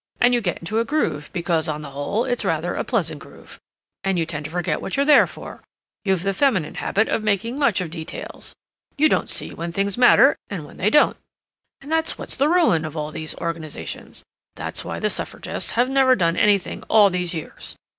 "And you get into a groove because, on the whole, it's rather a pleasant groove. And you tend to forget what you're there for. You've the feminine habit of making much of details. You don't see when things matter and when they don't. And that's what's the ruin of all these organizations. That's why the Suffragists have never done anything all these years.